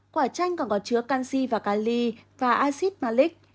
quả chanh còn có chứa canxi và cali và axit malic